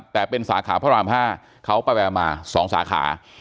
แต่เป็นสาขาพระราม๕เขาไปแววมา๒สาขา